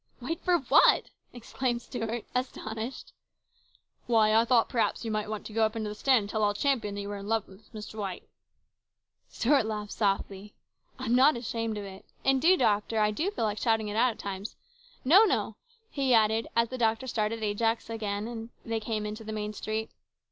" Wait for what !" exclaimed Stuart, astonished. " Why, I thought maybe you might want to go up into the stand and tell all Champion that you were in love with Miss Dwight." Stuart laughed softly. " I am not ashamed of it. Indeed, doctor, I do feel like shouting it out at times. No, no !" he added as the doctor started Ajax on again and they came out into the main street.